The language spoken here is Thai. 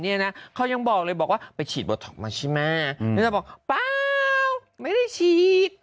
เนี้ยนะเขายังบอกเลยบอกว่าไปฉีดโบท็อกมาใช่ไหมไม่ได้ฉีด